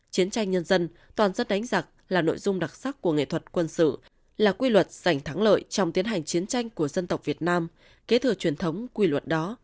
chiến tranh nhân dân toàn dân đánh giặc là nội dung đặc sắc của nghệ thuật quân sự là quy luật giành thắng lợi trong tiến hành chiến tranh của dân tộc việt nam kế thừa truyền thống quy luật đó